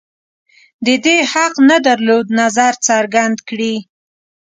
د دې حق نه درلود نظر څرګند کړي